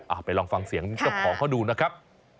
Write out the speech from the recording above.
ไปลองฟังเสียงเจ้าของเขาดูนะครับ